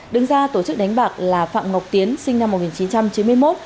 đứng ra tổ chức đánh bạc là phạm ngọc tiến sinh năm một nghìn chín trăm chín mươi một